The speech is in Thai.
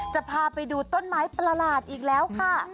จะพาไปดูต้นไม้ประหลาดอีกแล้วค่ะ